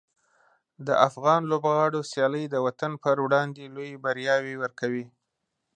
د افغان لوبغاړو سیالۍ د وطن پر وړاندې لویې بریاوې ورکوي.